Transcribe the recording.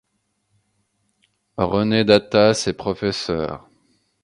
Renée Dattas est professeur.